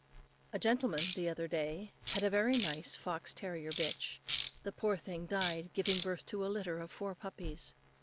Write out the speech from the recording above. A gentleman, the other day, had a very nice fox terrier bitch. The poor thing died giving birth to a litter of four puppies.